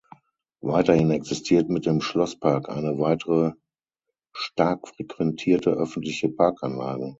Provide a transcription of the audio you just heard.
Weiterhin existiert mit dem Schlosspark eine weitere stark frequentierte öffentliche Parkanlage.